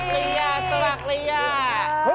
เหออาแฟวัคลิย่า